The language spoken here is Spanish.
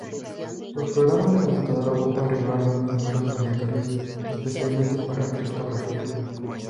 Los programas de computadora ocupan regularmente números aleatorios, especialmente para criptografía.